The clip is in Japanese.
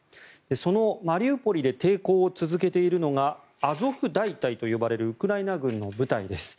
そのマリウポリで抵抗を続けているのがアゾフ大隊と呼ばれるウクライナ軍の部隊です。